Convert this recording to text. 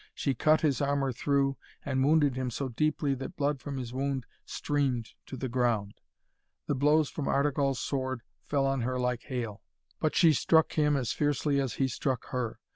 She cut his armour through, and wounded him so deeply that blood from his wound streamed to the ground. The blows from Artegall's sword fell on her like hail, but she struck him as fiercely as he struck her.